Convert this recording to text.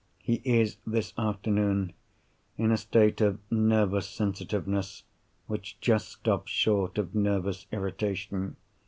He is, this afternoon, in a state of nervous sensitiveness which just stops short of nervous irritation.